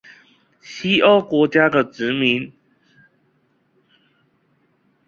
西歐國家的殖民